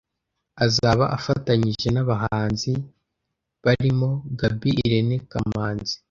Azaba afatanyije n’abahanzi barimo Gaby Irene Kamanzi